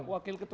wakil ketua tim